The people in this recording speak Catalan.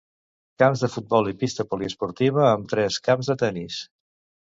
Camps de futbol i pista poliesportiva amb tres camps de tenis.